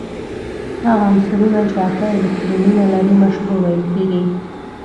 هغه عنصرونه چې اته الکترونونه لري مشبوع ویل کیږي.